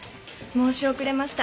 申し遅れました。